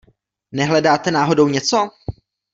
Nehledáte náhodou něco?